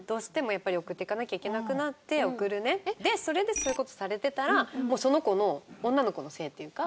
それでそういう事されてたらもうその子の女の子のせいっていうか。